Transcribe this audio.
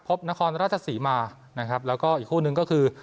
นครราชศรีมานะครับแล้วก็อีกคู่นึงก็คือ